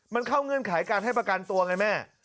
มันเข้าเงื่อนไขการให้ประกันตัวไงแม่